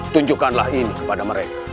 tunjukkanlah ini kepada mereka